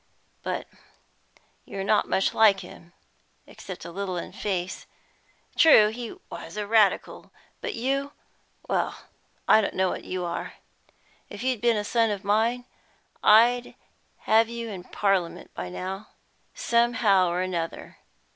But you're not much like him, except a little in face. True, he was a Radical, but you, well, I don't know what you are. If you'd been a son of mine, I'd have had you in Parliament by now, somehow or other."